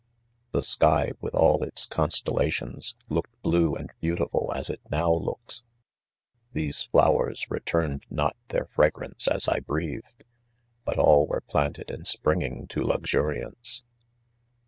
The sky with all its constellations looked blue and beautiful as it now looks, These" flowers returned not their fragrance as I breathed 5 but all were planted and springing to luxuriance.